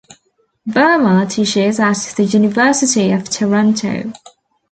Verma teaches at the University of Toronto.